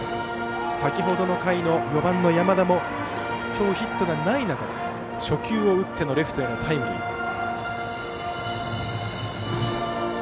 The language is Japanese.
先ほどの回の４番の山田も今日ヒットがない中で初球を打ってのレフトへのタイムリー。